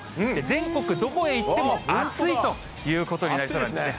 全国どこへ行っても暑いということになりそうですね。